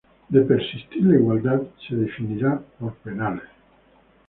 De persistir la igualdad se definirá por penales.